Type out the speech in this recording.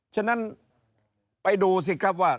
ฉะนั้นไปดูสิครับว่า